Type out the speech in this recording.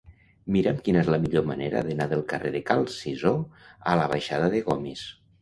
Mira'm quina és la millor manera d'anar del carrer de Cal Cisó a la baixada de Gomis.